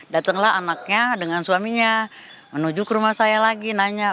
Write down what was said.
datanglah anaknya dengan suaminya menuju ke rumah saya lagi nanya